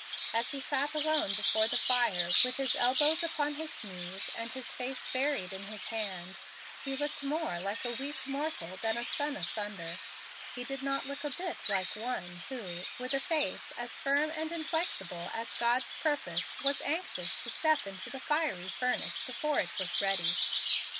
As he sat alone before the fire, with his elbows upon his knees and his face buried in his hands, he looked more like a weak mortal than a "son of thunder." He did not look a bit like one who, with face as firm and inflexible as God's purpose, was anxious to step into the fiery furnace before it was ready.